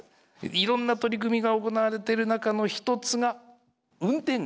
いろんな取り組みが行われてる中の一つが運転。